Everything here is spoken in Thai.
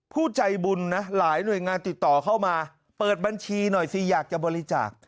ผู้ใจบุญนะหลายหน่วยงานติดต่อเข้ามาเปิดบัญชีหน่อยสิอยากจะบริจาค